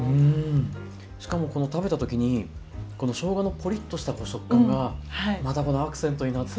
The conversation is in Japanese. しかも食べたときにしょうがのポリッとした食感がまたこのアクセントになって。